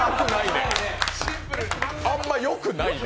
あんまよくないね。